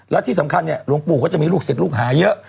และที่สำคัญเนี่ยหลวงปู่ก็จะมีลูกศิษย์ลูกหาเยอะ